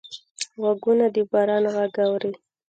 غوږونه د باران غږ اوري